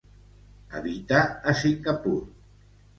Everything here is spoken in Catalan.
Habita a Singapur.